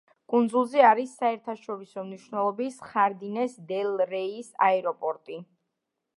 კუნძულზე არის საერთაშორისო მნიშვნელობის ხარდინეს-დელ-რეის აეროპორტი.